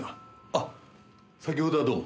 あっ先ほどはどうも。